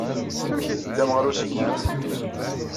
Amek ay teddam ɣer usegnaf?